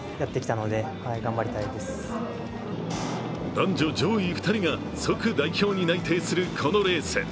男女上位２名が即代表に内定するこのレース。